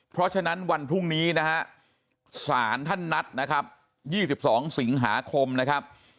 เพราะฉะนั้นวันพรุ่งนี้นะฮะศาลท่านนัดนะครับ๒๒สิงหาคมนะครับ